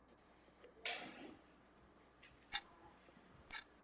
U něj pokračoval ve studiu i na Akademii múzických umění.